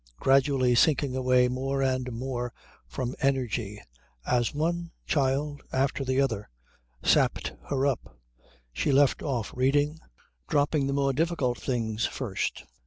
Gradually sinking away more and more from energy as one child after the other sapped her up, she left off reading, dropping the more difficult things first.